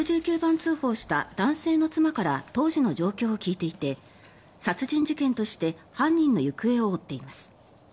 通報した男性の妻から当時の状況を聞いていて殺人事件として犯人の行方を追っています。